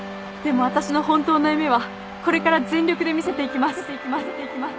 でも私の本当の夢はこれから全力で見せていきます